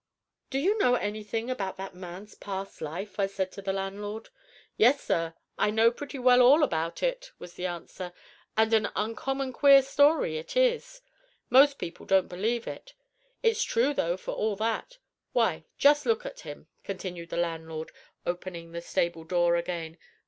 "Do you know anything about that man's past life?" I said to the landlord. "Yes, sir, I know pretty well all about it," was the answer, "and an uncommon queer story it is. Most people don't believe it. It's true, though, for all that. Why, just look at him," continued the landlord, opening the stable door again.